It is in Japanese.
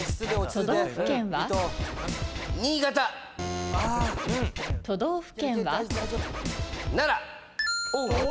都道府県は？